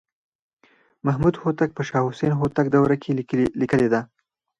محمدهوتک په شاه حسین هوتک دوره کې لیکلې ده.